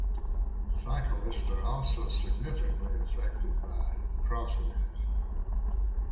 Cyclists are also significantly affected by crosswinds.